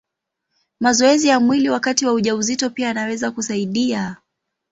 Mazoezi ya mwili wakati wa ujauzito pia yanaweza kusaidia.